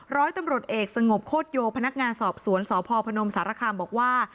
ร้อยตำรวจเอกสงบโคตรโยพนักงานสอบสวนสพพนมสารคามบอกว่า